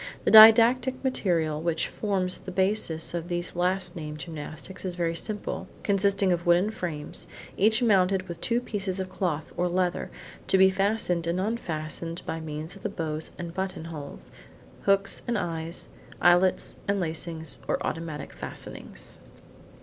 The didactic material which forms the basis of these last named gymnastics is very simple, consisting of wooden frames, each mounted with two pieces of cloth, or leather, to be fastened and unfastened by means of the buttons and buttonholes, books and eyes, eyelets and lacings, or automatic fastenings.